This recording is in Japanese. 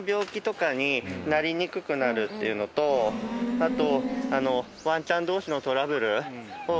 あと。